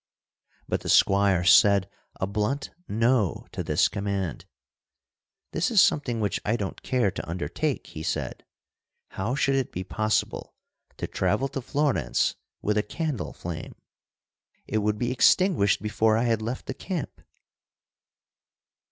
But the squire said a blunt no to this command. "This is something which I don't care to undertake," he said. "How should it be possible to travel to Florence with a candle flame? It would be extinguished before I had left the camp."